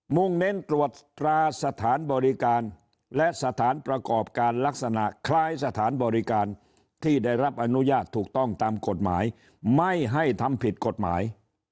่งเน้นตรวจตราสถานบริการและสถานประกอบการลักษณะคล้ายสถานบริการที่ได้รับอนุญาตถูกต้องตามกฎหมายไม่ให้ทำผิดกฎหมาย